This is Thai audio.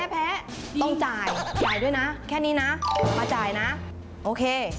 แพ้ต้องจ่ายจ่ายด้วยนะแค่นี้นะมาจ่ายนะโอเค